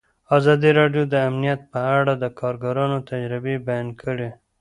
ازادي راډیو د امنیت په اړه د کارګرانو تجربې بیان کړي.